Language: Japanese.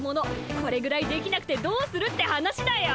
これぐらいできなくてどうするって話だよ。